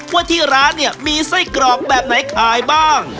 ว่าที่ร้านเนี่ยมีไส้กรอกแบบไหนขายบ้าง